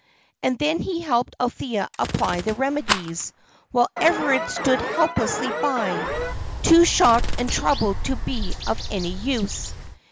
And then he helped Althea apply the remedies, while Everard stood helplessly by, too shocked and troubled to be of any use.